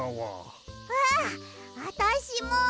ああたしも！